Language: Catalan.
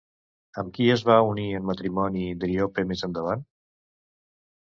Amb qui es va unir en matrimoni Driope més endavant?